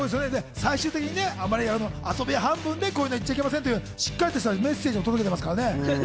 最終的に、あまり遊び半分でこういうの言っちゃいけませんってしっかりしたメッセージ届けてますからね。